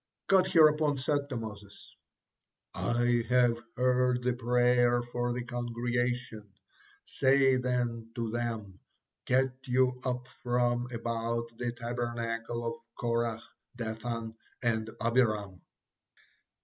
'" God hereupon said to Moses "I have heard the prayer for the congregation. Say then, to them, 'Get you up from about the Tabernacle of Korah, Dathan, and Abiram.'"